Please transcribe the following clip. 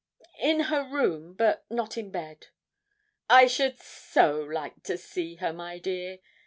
'In her room, but not in bed.' 'I should so like to see her, my dear.